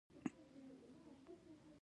د زلزلې په جریان کې څنګه ځان جوړ وساتو؟